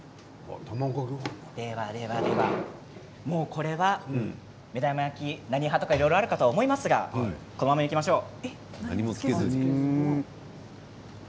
これは目玉焼きいろいろあるかと思いますがこのままいきましょう。